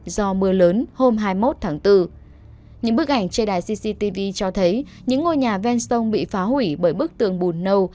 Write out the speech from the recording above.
do mưa lớn hôm hai mươi một tháng bốn những bức ảnh trên đài cctv cho thấy những ngôi nhà ven sông bị phá hủy bởi bức tường bùn nâu